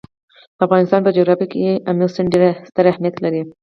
د افغانستان په جغرافیه کې آمو سیند ستر اهمیت لري.